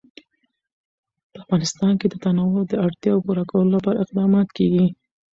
په افغانستان کې د تنوع د اړتیاوو پوره کولو لپاره اقدامات کېږي.